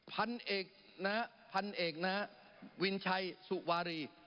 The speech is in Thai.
พันเอกนะครับพันเอกนะครับวิญชัยสุวารี